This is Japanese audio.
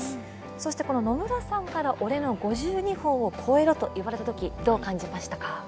そしてこの野村さんから俺の５２本を超えろと言われたときどう感じましたか。